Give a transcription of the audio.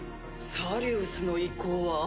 サリウスの意向は？